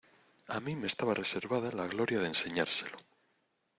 a mí me estaba reservada la gloria de enseñárselo.